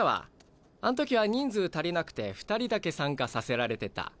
あん時は人数足りなくて２人だけ参加させられてた。